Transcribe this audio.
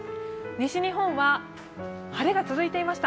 西日本は晴れが続いていました。